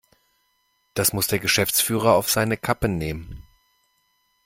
Das muss der Geschäftsführer auf seine Kappe nehmen.